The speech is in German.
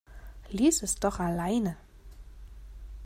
Lies es doch alleine!